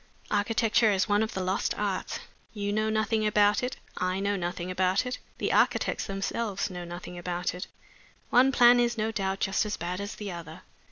"Architecture is one of the lost arts. You know nothing about it; I know nothing about it; the architects themselves know nothing about it. One plan is, no doubt, just as bad as the other.